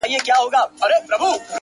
o زما د سيمي د ميوند شاعري ،